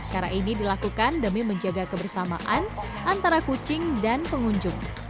cara ini dilakukan demi menjaga kebersamaan antara kucing dan pengunjung